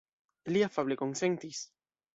Li afable konsentis.